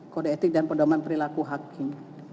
kode etik dan pedoman perilaku hakim